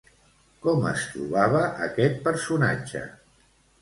Com es trobava aquest personatge?